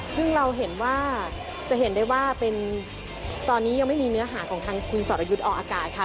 ซึ่งเราเห็นว่าจะเห็นได้ว่าเป็นตอนนี้ยังไม่มีเนื้อหาของทางคุณสรยุทธ์ออกอากาศค่ะ